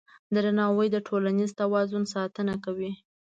درناوی د ټولنیز توازن ساتنه کوي.